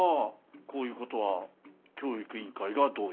こういうことは教育委員会がどう言うか。